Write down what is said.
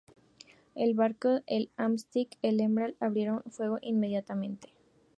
Los barcos —el "Amethyst" y el "Emerald"— abrieron fuego inmediatamente.